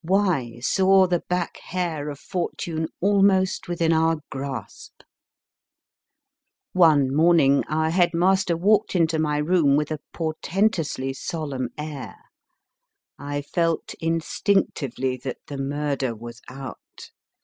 Y. saw the back hair of Fortune almost within our grasp. One morning our head master walked into my room with a portentously solemn air. I felt instinc tively that the murder was out.